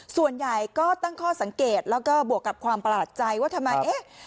ส่วนใหญ่ก็ตั้งข้อสังเกตแล้วก็บวกกับความประหลาดใจว่าทำไมเอ๊ะ